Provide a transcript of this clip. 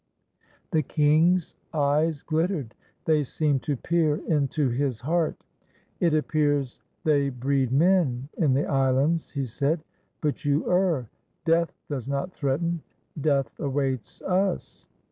The king's eyes glittered; they seemed to peer into his heart. "It appears they breed men in the islands," he said. "But you err. Death does not threaten. Death awaits us."